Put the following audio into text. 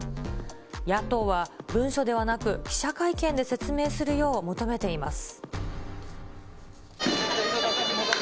野党は文書ではなく、記者会見で説明するよう求めています。